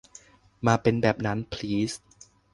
มาเป็นแบบนั้น พลีส